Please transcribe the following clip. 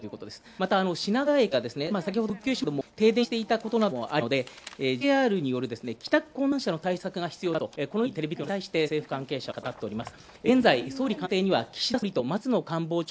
また、品川駅が先ほど復旧しましたけども停電していたことなどもあるのでＪＲによる帰宅困難者の対策が必要だとこのようにテレビ東京の取材に対して政府関係者は語っております。